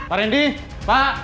pak randy pak